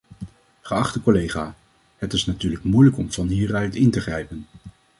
Geachte collega, het is natuurlijk moeilijk om van hieruit in te grijpen.